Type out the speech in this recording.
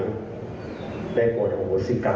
ได้โปรดอุปสิทธิ์กรรม